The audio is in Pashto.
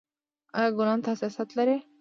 ایا ګلانو ته حساسیت لرئ؟